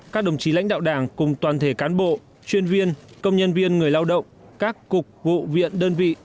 các đồng chí lãnh đạo đảng cùng toàn thể cán bộ chuyên viên công nhân viên người lao động các cục vụ viện đơn vị